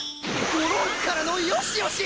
ゴロンからのよしよし！？